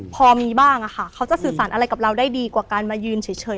พอมีบ้างอะค่ะเขาจะสื่อสารอะไรกับเราได้ดีกว่าการมายืนเฉย